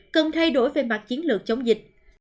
cần thay đổi về mặt chiến lược chống dịch